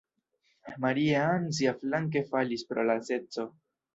Maria-Ann, siaflanke, falis pro laceco.